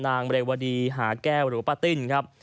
นางเรวดีหาแก้วหรือป้าติ้นครับ